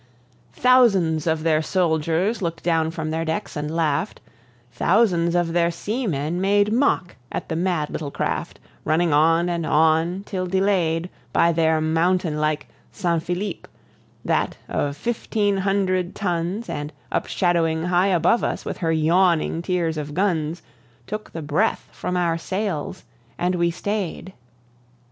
Thousands of their soldiers looked down from their decks and laugh'd, Thousands of their seamen made mock at the mad little craft Running on and on, till delay'd By their mountain like San Philip that, of fifteen hundred tons, And up shadowing high above us with her yawning tiers of guns, Took the breath from our sails, and we stay'd.